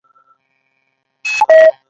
غیر ماهر کارګران په کارخانه کې ساده کار کوي